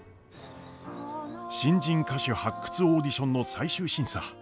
新人歌手発掘オーディションの最終審査。